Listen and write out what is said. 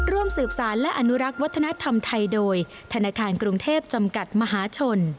ร่วมสืบสารและอนุรักษ์วัฒนธรรมไทยโดยธนาคารกรุงเทพจำกัดมหาชน